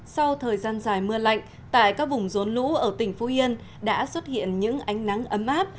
sau thời gian dài mưa lạnh tại các vùng rốn lũ ở tỉnh phú yên đã xuất hiện những ánh nắng ấm áp